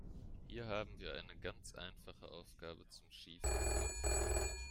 Hier haben wir eine ganz einfache Aufgabe zum schiefen Wurf.